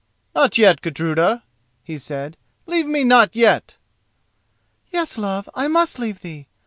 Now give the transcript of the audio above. "Not yet, Gudruda," he said; "leave me not yet." "Yes, love, I must leave thee.